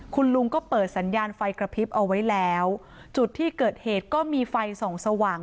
คุณลุงก็เปิดสัญญาณไฟกระพริบเอาไว้แล้วจุดที่เกิดเหตุก็มีไฟส่องสว่าง